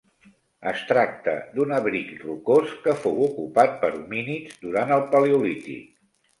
Es tracta d'un abric rocós que fou ocupat per homínids durant el paleolític.